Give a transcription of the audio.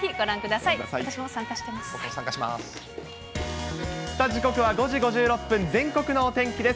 さあ、時刻は５時５６分、全国のお天気です。